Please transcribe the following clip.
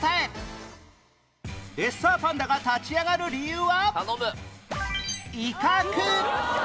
レッサーパンダが立ち上がる理由は威嚇